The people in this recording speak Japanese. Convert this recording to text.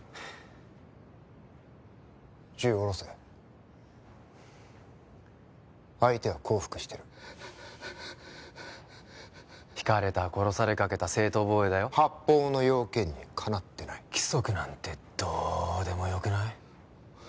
銃を下ろせ相手は降伏してるひかれた殺されかけた正当防衛だよ発砲の要件にかなってない規則なんてどうでもよくない？